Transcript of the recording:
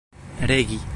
regi